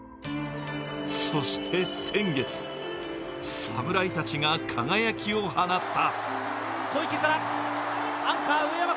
そして先月、侍たちが輝きを放った。